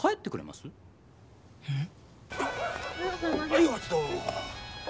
はいおまちどお。